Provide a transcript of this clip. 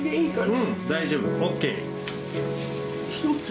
うん大丈夫ＯＫ１つ？